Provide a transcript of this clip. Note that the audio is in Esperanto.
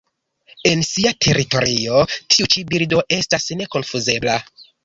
En sia teritorio, tiu ĉi birdo estas nekonfuzebla.